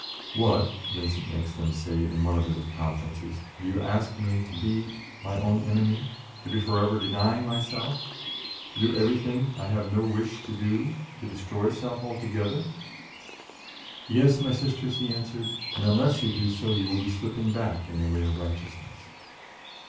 "What?" Vincent makes them say in one of his conferences, "do you ask me to be my own enemy, to be forever denying myself, to do everything I have no wish to do, to destroy self altogether?" "Yes, my sisters," he answers; "and unless you do so, you will be slipping back in the way of righteousness."